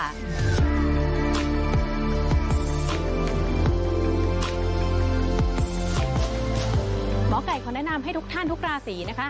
หมอไก่ขอแนะนำให้ทุกท่านทุกราศีนะคะ